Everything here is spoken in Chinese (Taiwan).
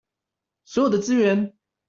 所有的資源